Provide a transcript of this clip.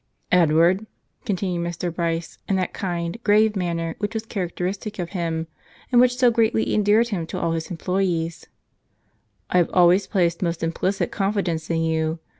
"Edward," continued Mr. Bryce in that kind, grave manner which was characteristic of him and which so greatly endeared him to all his employees, "I have al¬ ways placed most implicit confidence in you.